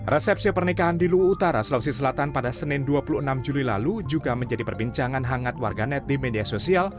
resepsi pernikahan di luwu utara sulawesi selatan pada senin dua puluh enam juli lalu juga menjadi perbincangan hangat warganet di media sosial